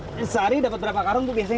sehari dapat berapa karun biasanya